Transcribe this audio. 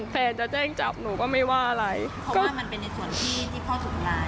เขาว่ามันเป็นในส่วนที่ที่พ่อสุดร้าย